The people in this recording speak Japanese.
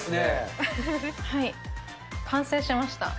はい、完成しました。